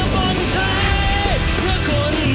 เราจะเชียร์บอลไทย